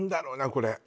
これ